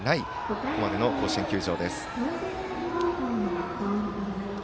ここまでの甲子園球場です。